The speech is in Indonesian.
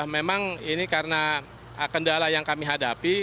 memang ini karena kendala yang kami hadapi